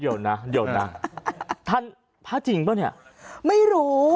หยกนะหยกน่ะทันพระจริงเปล่าเนี้ยไม่รู้